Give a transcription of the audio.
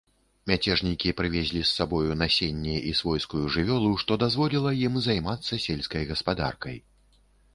Мяцежнікі прывезлі з сабою насенне і свойскую жывёлу, што дазволіла ім займацца сельскай гаспадаркай.